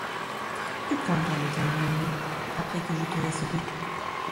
Tu prendras le temps de m'aimer après que je t'aurai sauvée.